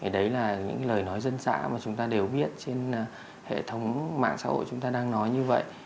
đấy là những lời nói dân xã mà chúng ta đều biết trên hệ thống mạng xã hội chúng ta đang nói như vậy